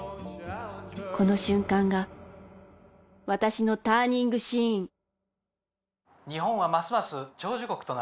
この瞬間が私のターニングシーンえ？